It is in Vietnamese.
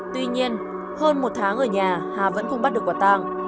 tuy nhiên hơn một tháng ở nhà hà vẫn không bắt được quả tàng